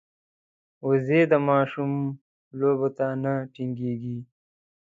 وزې د ماشوم لوبو ته نه تنګېږي